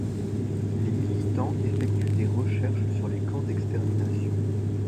Les militants effectuent des recherches sur les camps d'extermination.